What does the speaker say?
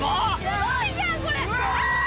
すごいじゃんこれ！